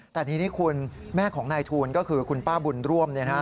แต่ทีนี้คุณแม่ของนายทูลก็คือคุณป้าบุญร่วม